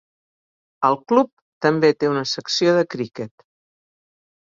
El club també té una secció de criquet.